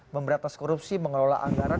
memberatas korupsi mengelola anggaran